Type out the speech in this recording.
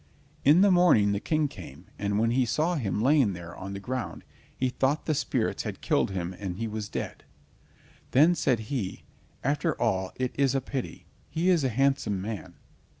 In the morning the King came, and when he saw him lying there on the ground, he thought the spirits had killed him and he was dead. Then said he: "After all it is a pity—he is a handsome man."